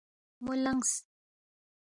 مو لنگس